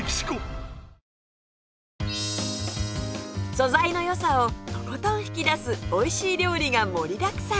素材の良さをとことん引き出すおいしい料理が盛りだくさん